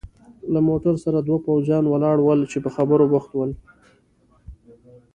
له موټر سره دوه پوځیان ولاړ ول چې په خبرو بوخت ول.